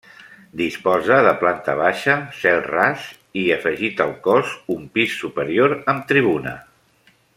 Disposa de planta baixa, cel ras i, afegit al cos, un pis superior amb tribuna.